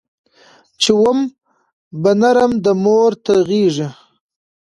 چي وو به نرم د مور تر غېږي